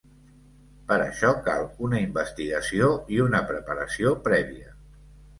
Per això, cal una investigació i una preparació prèvia.